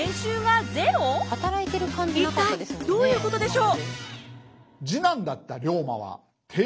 一体どういうことでしょう？